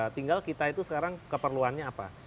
tinggal kita itu sekarang keperluannya apa